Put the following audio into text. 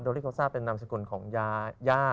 โดริโคซ่าเป็นนามสกุลของย่า